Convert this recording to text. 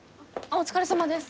お疲れさまです。